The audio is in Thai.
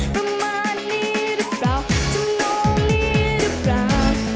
ประมาณนี้รึเปล่าชมน้องนี้รึเปล่า